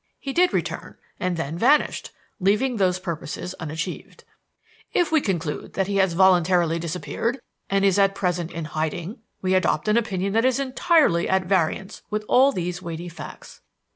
He did return and then vanished, leaving those purposes unachieved. "If we conclude that he has voluntarily disappeared and is at present in hiding, we adopt an opinion that is entirely at variance with all these weighty facts.